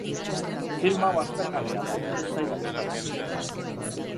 Film hau aspergarria da, ez zait gustatu.